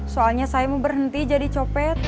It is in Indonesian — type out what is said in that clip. soalnya saya mau berhenti jadi copet